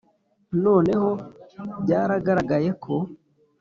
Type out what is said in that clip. noneho byaragaragaye ko,